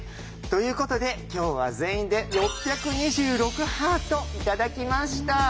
ということで今日は全員で６２６ハート頂きました。